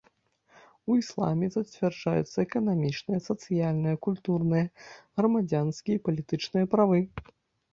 У ісламе зацвярджаюцца эканамічныя, сацыяльныя, культурныя, грамадзянскія і палітычныя правы.